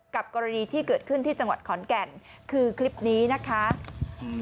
กรณีที่เกิดขึ้นที่จังหวัดขอนแก่นคือคลิปนี้นะคะอืม